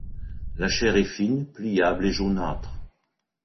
La chair est fine, pliable et jaunâtre.